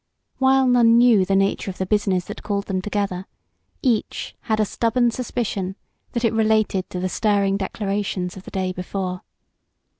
While none knew the nature of the business that called them together, each had a stubborn suspicion that it related to the stirring declarations of the day before.